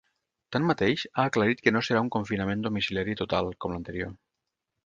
Tanmateix, ha aclarit que no serà un confinament domiciliari total, com l’anterior.